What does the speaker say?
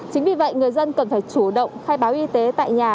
chính vì vậy người dân cần phải chủ động khai báo y tế tại nhà